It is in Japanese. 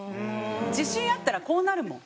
自信あったらこうなるもん。